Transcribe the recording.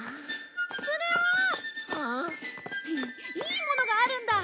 いいものがあるんだ！